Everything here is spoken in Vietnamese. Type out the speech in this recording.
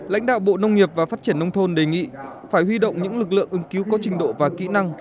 lãnh đạo bộ nông nghiệp và phát triển nông thôn đề nghị phải huy động những lực lượng ứng cứu có trình độ và kỹ năng